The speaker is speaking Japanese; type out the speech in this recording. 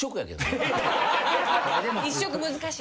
１色難しい。